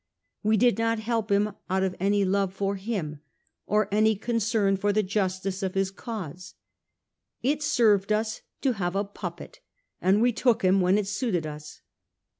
We did not help him out of any love for him, or any concern for the justice of his cause. It served us to have a puppet, and we took him when it suited us.